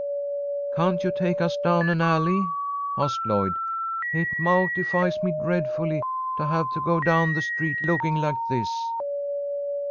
"Can't you take us down an alley?" asked Lloyd. "It mawtifies me dreadfully to have to go down the street looking like this."